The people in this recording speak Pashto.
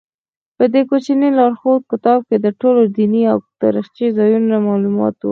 په دې کوچني لارښود کتاب کې د ټولو دیني او تاریخي ځایونو معلومات و.